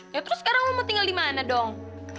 ya terus sekarang lo mau tinggal di mana dong